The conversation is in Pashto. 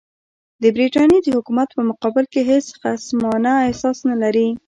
د برټانیې د حکومت په مقابل کې هېڅ خصمانه احساس نه لري.